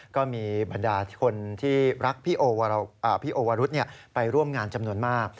ก็มีบรรดาคนที่รักพี่โอวรุษไปร่วมงานจำนวนมาก